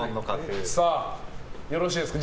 よろしいですか。